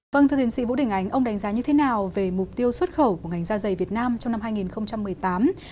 vâng thưa thiên sĩ vũ đình ánh ông đánh giá như thế nào về mục tiêu xuất khẩu của ngành da dày việt nam trong năm hai nghìn một mươi tám